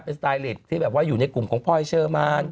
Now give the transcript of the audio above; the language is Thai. เป็นสไตลิตที่อยู่ในกลุ่มของพ่อเชิร์มัน